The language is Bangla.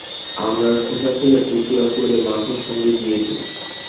আমড়ার খোসা ফেলে টুকরা করে মাছের সঙ্গে দিয়ে দিন।